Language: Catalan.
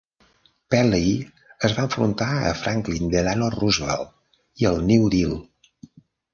Pelley es va enfrontar a Franklin Delano Roosevelt i al New Deal.